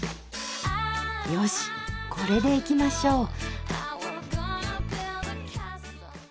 よしこれでいきましょう。